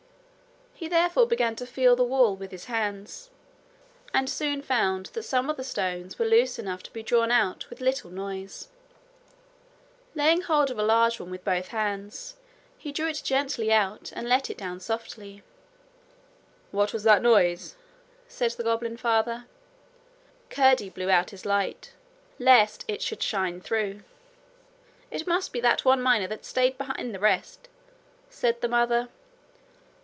He therefore began to feel the wall With his hands, and soon found that some of the stones were loose enough to be drawn out with little noise. Laying hold of a large one with both his hands, he drew it gently out, and let it down softly. 'What was that noise?' said the goblin father. Curdie blew out his light, lest it should shine through. 'It must be that one miner that stayed behind the rest,' said the mother.